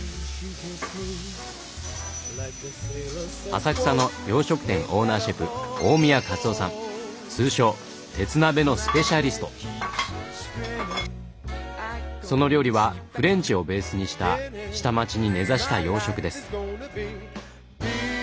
浅草の通称その料理はフレンチをベースにした下町に根ざした洋食です。